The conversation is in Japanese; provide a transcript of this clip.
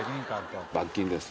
罰金です。